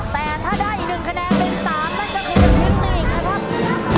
แต่ถ้าได้อีก๑คะแนนเป็น๓นั่นก็คือทีมตีกนะครับ